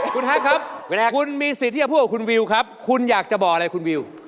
คุณฮัทครับคุณมีสิทธิ์ที่จะพูดกับคุณวิวครับคุณอยากจะบอกอะไรคุณวิว